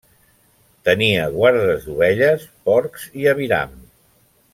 Tenia guardes d'ovelles, porcs i aviram.